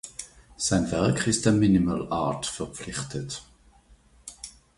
Sein Werk ist der Minimal Art verpflichtet.